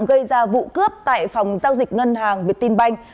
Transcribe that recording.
gây ra vụ cướp tại phòng giao dịch ngân hàng việt tin banh